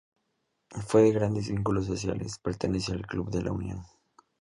Fue de grandes vínculos sociales, perteneció al Club de La Unión.